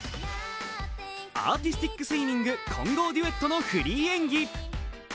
アーティスティックスイミング混合デュエットのフリー演技。